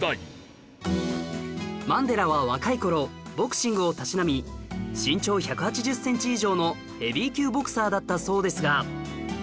マンデラは若い頃ボクシングをたしなみ身長１８０センチ以上のヘビー級ボクサーだったそうですが